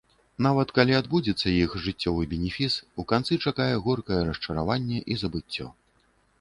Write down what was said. Нават калі адбудзецца іх жыццёвы бенефіс, у канцы чакае горкае расчараванне і забыццё.